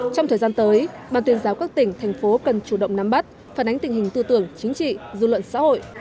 trong thời gian tới ban tuyên giáo các tỉnh thành phố cần chủ động nắm bắt phản ánh tình hình tư tưởng chính trị dư luận xã hội